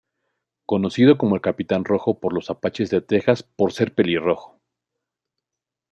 Conocido como el capitán rojo por los apaches de Tejas por ser pelirrojo.